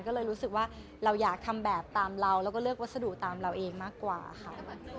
ก็เลยรู้สึกว่าเราอยากทำแบบตามเราแล้วก็เลือกวัสดุตามเราเองมากกว่าค่ะ